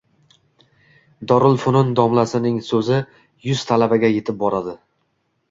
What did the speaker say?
Dorilfunun domlasining So’zi yuz talabaga yetib boradi.